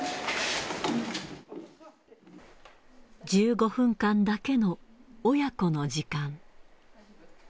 １５分間だけの親子の時間。